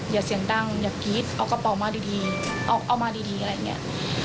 อย่าเสียงดังอย่ากรี๊ดเอากระเป๋ามาดีเอามาดีอะไรอย่างนี้